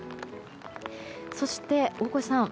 そして大越さん